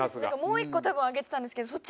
もう一個多分上げてたんですけど